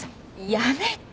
やめて！